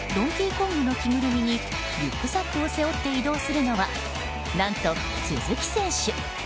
コングの着ぐるみにリュックサックを背負って移動するのは、何と鈴木選手。